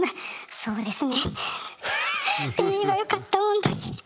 そうですね。